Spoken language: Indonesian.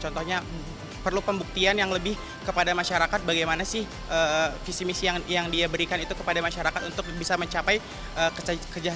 contohnya perlu pembuktian yang lebih kepada masyarakat bagaimana sih visi misi yang dia berikan itu kepada masyarakat untuk bisa mencapai kesejahteraan